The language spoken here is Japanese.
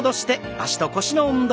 脚と腰の運動。